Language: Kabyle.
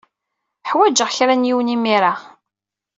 Ḥwajeɣ kra n yiwen imir-a.